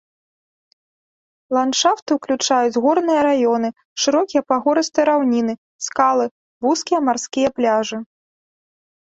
Ландшафты ўключаюць горныя раёны, шырокія пагорыстыя раўніны, скалы, вузкія марскія пляжы.